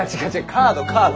カードカード。